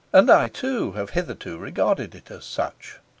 And I, too, have hitherto regarded it as such.